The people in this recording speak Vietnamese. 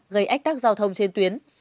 gây ách tắc giao thông trên tuyến